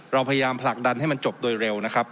เราพยายามผลักดันให้มันจบโดยเร็วนะครับ